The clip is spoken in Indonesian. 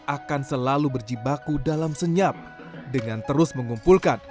akan selalu berjibaku dalam senyap dengan terus mengumpulkan